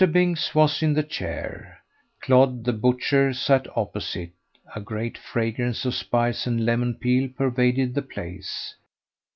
Binks was in the chair; Clodd, the butcher, sat opposite; a great fragrance of spice and lemon peel pervaded the place.